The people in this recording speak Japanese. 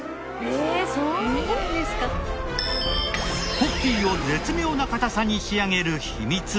ポッキーを絶妙な硬さに仕上げる秘密。